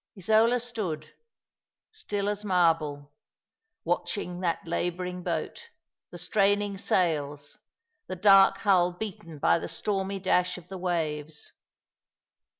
Isola stood, still as marble, watching that labouring boat, the straining sails, the dark hull beaten by the stormy dash of the waves.